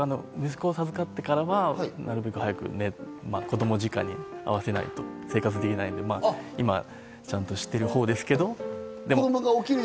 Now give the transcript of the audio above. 僕は息子を授かってからはできるだけ早く、息子の時間に合わせないと生活できないので、今はちゃんとしてるほうですけど。